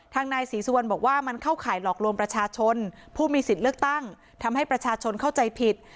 นายศรีสุวรรณบอกว่ามันเข้าข่ายหลอกลวงประชาชนผู้มีสิทธิ์เลือกตั้งทำให้ประชาชนเข้าใจผิด